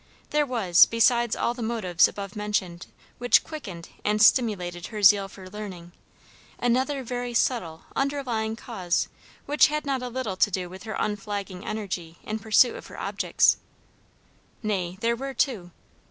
There was, besides all the motives above mentioned which quickened and stimulated her zeal for learning, another very subtle underlying cause which had not a little to do with her unflagging energy in pursuit of her objects. Nay, there were two.